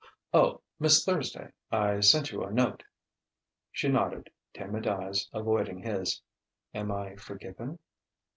"Oh, Miss Thursday.... I sent you a note...." She nodded, timid eyes avoiding his. "Am I forgiven?"